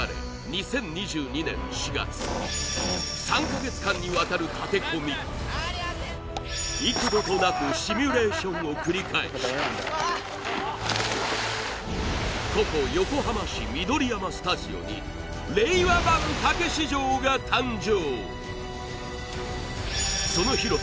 ２０２２年４月３か月間にわたるたて込み幾度となくシミュレーションを繰り返しここ横浜市緑山スタジオに令和版・たけし城が誕生